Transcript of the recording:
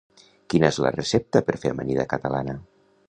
Quina és la recepta per fer amanida catalana?